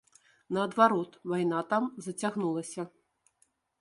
Наадварот, вайна там зацягнулася.